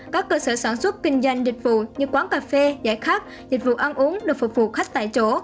các cơ sở sản xuất kinh doanh dịch vụ như quán cà phê giải khát dịch vụ ăn uống được phục vụ khách tại chỗ